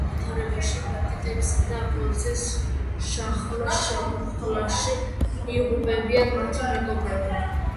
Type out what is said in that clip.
გაურკვეველ ვითარებაში, ბანდიტების და პოლიციის შახლა–შემოხლაში იღუპებიან მათი მეგობრები.